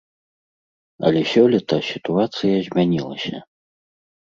Але сёлета сітуацыя змянілася.